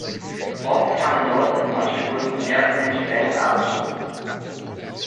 Oft kamen dorthin manche Kunden erst in den späten Abendstunden.